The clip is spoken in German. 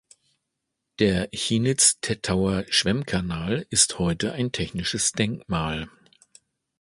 Der Chinitz-Tettauer Schwemmkanal ist heute ein Technisches Denkmal.